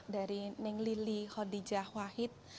dari ning lili khodijah wahid